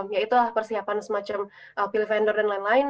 ya itulah persiapan semacam peal vendor dan lain lain